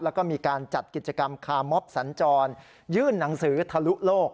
แล้วก็มีการจัดกิจกรรมคาร์มอบสัญจรยื่นหนังสือทะลุโลก